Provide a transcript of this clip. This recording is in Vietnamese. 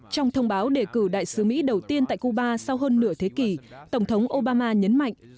trong thông báo đề cử đại sứ mỹ đầu tiên tại cuba sau hơn nửa thế kỷ tổng thống obama nhấn mạnh